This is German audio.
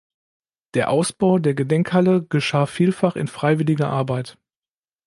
Der Ausbau der Gedenkhalle geschah vielfach in freiwilliger Arbeit.